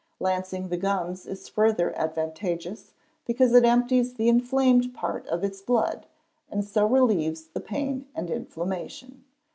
Lancing the gums is further advantageous, because it empties the inflamed part of its blood, and so relieves the pain and inflammation.